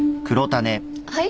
はい？